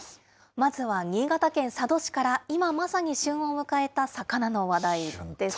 まずは新潟県佐渡市から、今まさに旬を迎えた魚の話題です。